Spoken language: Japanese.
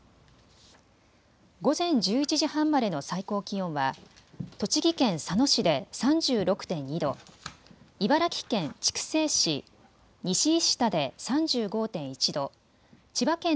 午前１１時半までの最高気温は栃木県佐野市で３６．２度、茨城県筑西市西石田で３５．１度、千葉県